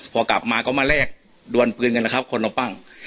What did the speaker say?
พอกลับมาก็มาแลกดวนปืนกันแล้วครับคนเอาปั้ง